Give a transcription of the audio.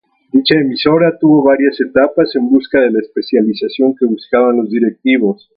Dicha emisora tuvo varias etapas en busca de la especialización que buscaban los directivos.